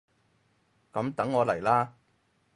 噉等我嚟喇！